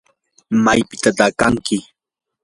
¿maypitataq kanki?